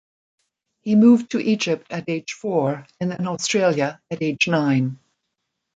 He moved to Egypt at age four and then Australia at age nine.